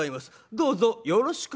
どうぞよろしく』。